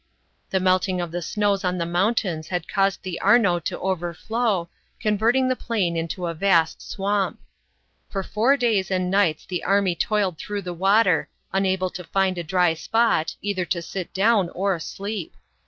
The melting of the snows on the mountains had caused the Arno to overflow, converting the plain into a vast swamp. For four days and nights the Lrmy toiled through the water, unable to find a dry spot, either to sit down or sleep.